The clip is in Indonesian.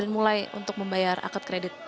dan mulai untuk membayar akad kredit